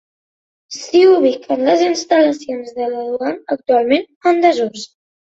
S'hi ubiquen les instal·lacions de la duana, actualment en desús.